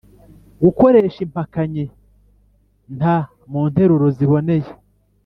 Gukoresha impakanyi nta mu nteruro ziboneye.